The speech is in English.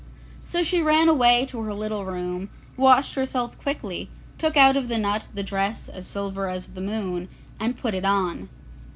So she ran away to her little room, washed herself quickly, took out of the nut the dress as silver as the moon and put it on.